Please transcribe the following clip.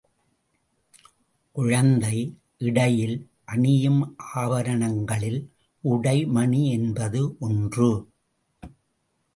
குழந்தை இடையில் அணியும் ஆபரணங்களில் உடை மணி என்பது ஒன்று.